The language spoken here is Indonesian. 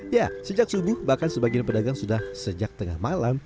ya sejak subuh bahkan sebagian pedagang sudah sejak tengah malam